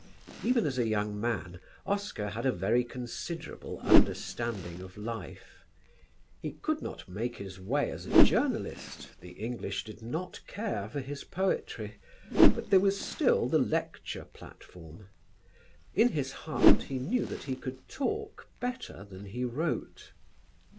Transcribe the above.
Even as a young man Oscar had a very considerable understanding of life. He could not make his way as a journalist, the English did not care for his poetry; but there was still the lecture platform. In his heart he knew that he could talk better than he wrote.